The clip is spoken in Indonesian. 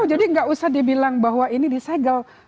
jadi nggak usah dibilang bahwa ini disegel